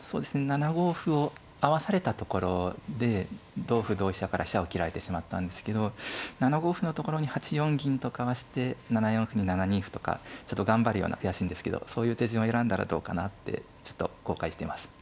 ７五歩を合わされたところで同歩同飛車から飛車を切られてしまったんですけど７五歩のところに８四銀とかわして７四歩に７二歩とかちょっと頑張るような悔しいんですけどそういう手順を選んだらどうかなってちょっと後悔しています。